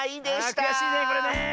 ああくやしいねこれねえ。